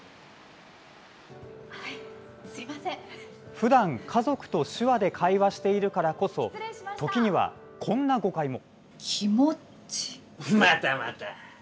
普段、家族と手話で会話しているからこそ時にはこんな誤解も。